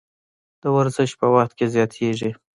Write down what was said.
د ورزش په وخت کې زیاتیږي.